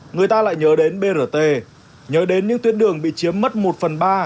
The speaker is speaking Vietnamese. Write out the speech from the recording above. người ta lại nhớ đến brt nhớ đến những tuyến đường bị chiếm mất một phần ba